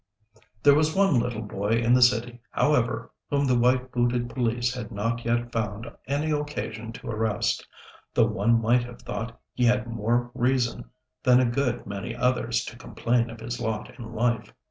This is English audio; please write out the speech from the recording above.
There was one little boy in the city, however, whom the white booted police had not yet found any occasion to arrest, though one might have thought he had more reason than a good many others to complain of his lot in life.